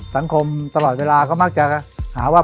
สังคมตลอดเวลาก็มากจะหาว่า